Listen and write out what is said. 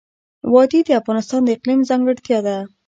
وادي د افغانستان د اقلیم ځانګړتیا ده.